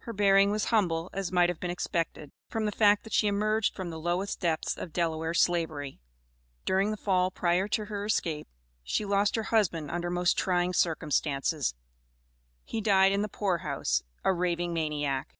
Her bearing was humble, as might have been expected, from the fact that she emerged from the lowest depths of Delaware Slavery. During the Fall prior to her escape, she lost her husband under most trying circumstances: he died in the poor house, a raving maniac.